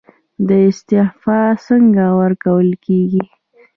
استعفا څنګه ورکول کیږي؟